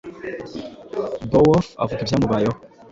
Beowulf avuga ibyamubayeho